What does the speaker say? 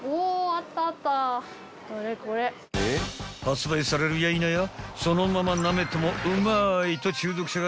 ［発売されるやいなや「そのままなめてもうまい」と中毒者が続出］